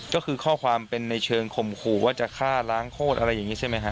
ก็คือข้อความเป็นในเชิงข่มขู่ว่าจะฆ่าล้างโคตรอะไรอย่างนี้ใช่ไหมฮะ